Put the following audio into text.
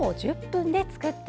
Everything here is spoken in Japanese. １０分？